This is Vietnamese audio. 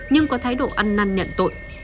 nhưng có thái độ ăn năn nhận tội